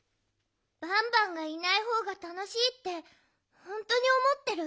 バンバンがいないほうがたのしいってほんとにおもってる？